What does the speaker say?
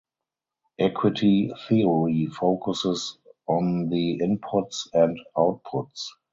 Equity theory focuses on the inputs and outputs.